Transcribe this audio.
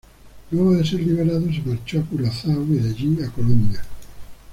Luego de ser liberado se marchó a Curazao y de allí a Colombia.